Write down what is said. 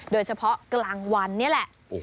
โดยเฉพาะกลางวันนี่แหละ